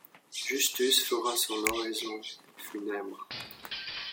Justus fera son oraison funèbre.